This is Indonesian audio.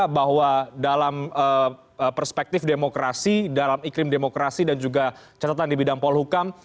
bahwa dalam perspektif demokrasi dalam iklim demokrasi dan juga catatan di bidang polhukam